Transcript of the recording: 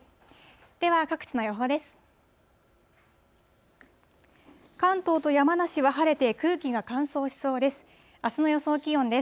では各地の予報です。